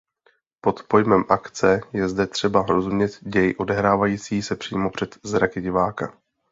Pod pojmem "akce" je zde třeba rozumět děj odehrávající se přímo před zraky diváka.